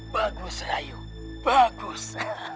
bagus serayu bagus